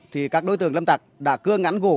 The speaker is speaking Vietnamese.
thì các đối tượng lâm tặc đã cưa ngắn gỗ